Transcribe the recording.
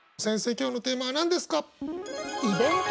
今日のテーマは何ですか？